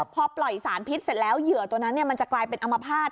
พอปล่อยสารพิษเสร็จแล้วเหยื่อตัวนั้นมันจะกลายเป็นอมภาษณ